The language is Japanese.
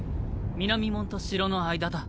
南門と城の間だ。